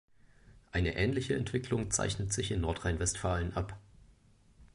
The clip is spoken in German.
Eine ähnliche Entwicklung zeichnet sich in Nordrhein-Westfalen ab.